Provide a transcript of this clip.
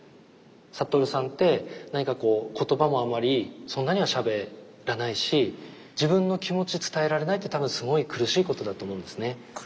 覚さんって何かこう言葉もあまりそんなにはしゃべらないし自分の気持ち伝えられないって多分すごい苦しいことだと思うんですね。